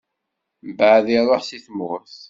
Mbeɛd iṛuḥ si tmurt.